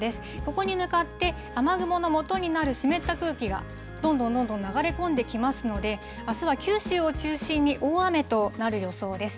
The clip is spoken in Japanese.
ここに向かって、雨雲のもとになる湿った空気がどんどんどんどん流れ込んできますので、あすは九州を中心に大雨となる予想です。